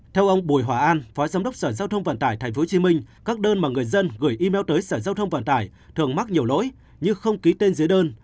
theo ông bùi hòa an phó giám đốc sở giao thông vận tải tp hcm các đơn mà người dân gửi email tới sở giao thông vận tải thường mắc nhiều lỗi như không ký tên dưới đơn